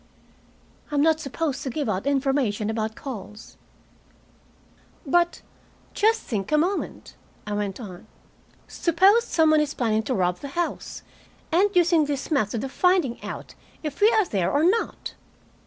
"I'm not supposed to give out information about calls." "But just think a moment," I went on. "Suppose some one is planning to rob the house, and using this method of finding out if we are there or not?"